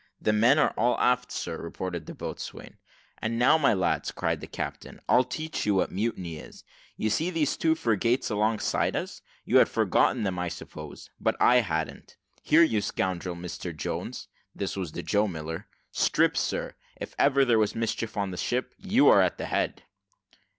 "The men are all aft, sir," reported the boatswain. "And now, my lads," said the captain, "I'll teach you what mutiny is. You see these two frigates alongside of us. You had forgotten them, I suppose, but I hadn't. Here, you scoundrel, Mr Jones" (this was the Joe Miller) "strip, sir. If ever there were mischief in a ship, you are at the head."